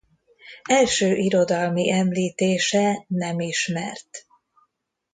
Első irodalmi említése nem ismert.